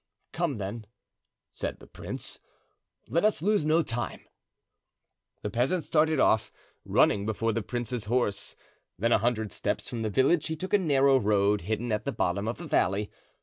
"Come, then," said the prince; "let us lose no time." The peasant started off, running before the prince's horse; then, a hundred steps from the village, he took a narrow road hidden at the bottom of the valley.